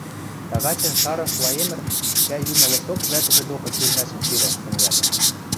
Тагачы Шаров Лаэмыр чӓй йӱмӹ лошток вӓтӹжӹ докы сирмӓшӹм сирӓш тӹнгӓльӹ.